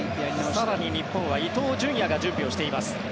更に日本は伊東純也が準備をしています。